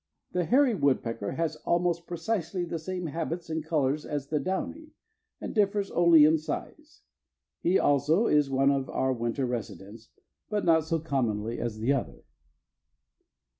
The hairy woodpecker has almost precisely the same habits and colors as the downy, and differs only in size. He, also, is one of our winter residents, but not so commonly as the other.